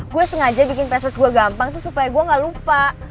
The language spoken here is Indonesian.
gue sengaja bikin password gue gampang tuh supaya gue gak lupa